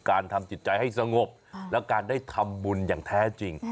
ทำจิตใจให้สงบและการได้ทำบุญอย่างแท้จริง